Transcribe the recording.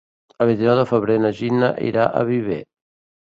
El vint-i-nou de febrer na Gina irà a Viver.